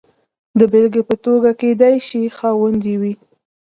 د بېلګې په توګه کېدای شي خاوند وي.